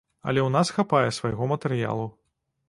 Але ў нас хапае свайго матэрыялу.